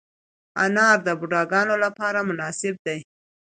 انار د بوډاګانو لپاره مناسب دی.